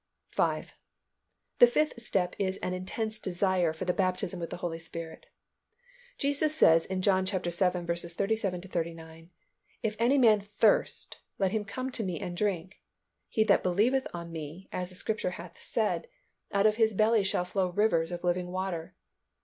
5. The fifth step is an intense desire for the baptism with the Holy Spirit. Jesus says in John vii. 37 39, "If any man thirst, let him come unto Me and drink. He that believeth on Me, as the Scripture hath said, out of his belly shall flow rivers of living water.